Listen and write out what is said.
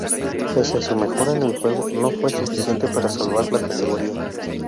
Pese a su mejora en el juego, no fue suficiente para salvar la categoría.